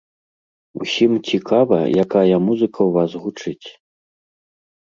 Усім цікава, якая музыка ў вас гучыць.